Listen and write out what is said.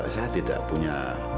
saya tidak punya